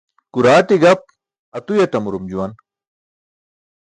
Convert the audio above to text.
Kuraaṭi gap atuyaṭamurum juwan.